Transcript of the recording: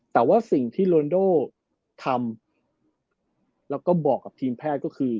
แต่ว่าสิ่งที่โรนโดทำแล้วก็บอกกับทีมแพทย์ก็คือ